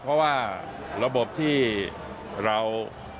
เพราะว่าระบบที่เรา